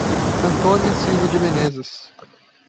Antônia Silva de Meneses